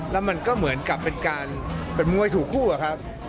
แล้วมันก็เหมือนกับเป็นการเป็นมวยถูกคู่อะครับ